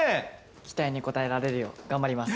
期待に応えられるよう頑張ります。